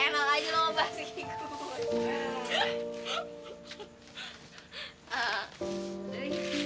eh enak aja mau ngebahas kiku